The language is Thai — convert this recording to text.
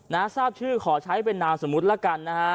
นะทราบชื่อขอใช้เป็นนามสมมุติแล้วกันนะฮะ